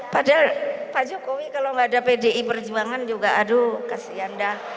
padahal pak jokowi kalau nggak ada pdi perjuangan juga aduh kasihan dah